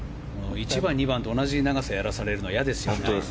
１番、２番と同じ長さをやらされるのは本当ですね。